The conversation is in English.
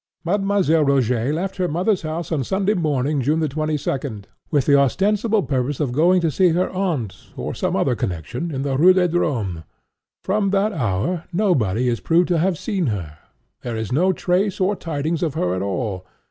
"Mademoiselle Rogêt left her mother's house on Sunday morning, June the twenty second, 18—, with the ostensible purpose of going to see her aunt, or some other connexion, in the Rue des Drômes. From that hour, nobody is proved to have seen her. There is no trace or tidings of her at all....